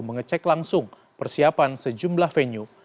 mengecek langsung persiapan sejumlah venue